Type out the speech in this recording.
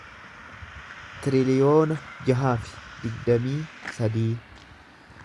tiriliyoona jaha fi digdamii sadii